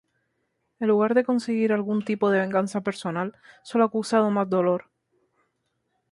En lugar de conseguir algún tipo de venganza personal, solo ha causado más dolor.